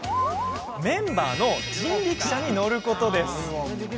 メンバーの人力車に乗ることです。